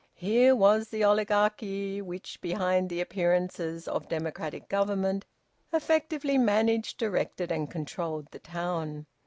Here was the oligarchy which, behind the appearances of democratic government, effectively managed, directed, and controlled the town.